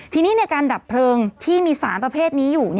ทีนี้ในการดับเพลิงที่มีสารประเภทนี้อยู่